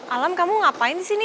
alam kamu ngapain di sini